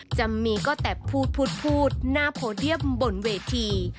จะมีก็แต่พูดพูดหน้าโพเดียมบนเวที